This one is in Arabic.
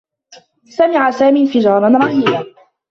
سمع سامي انفجارا رهيبا.